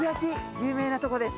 有名なとこです。